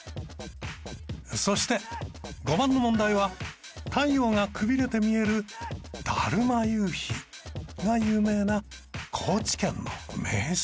そして５番の問題は太陽がくびれて見える「だるま夕日」が有名な高知県の名所。